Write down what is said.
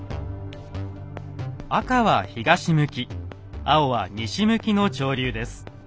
赤は東向き青は西向きの潮流です。